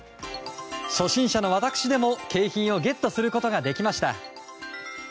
初心者の私でも、景品をゲットすることができました。